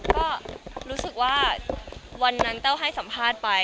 ก็รู้สึกว่าวันนั้นแต้วให้สัมภาษณ์ไป